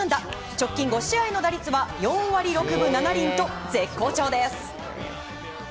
直近５試合の打率は４割６分７厘と絶好調です。